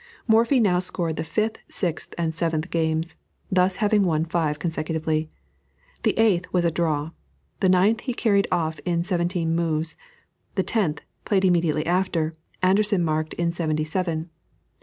Morphy now scored the fifth, sixth, and seventh games, thus having won five consecutively. The eighth was a draw; the ninth he carried off in seventeen moves; the tenth, played immediately after, Anderssen marked in seventy seven.